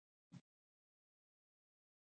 کاشکې د شنه غمي واله جلکۍ تدریس شي.